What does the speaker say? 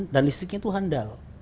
dan listriknya itu handal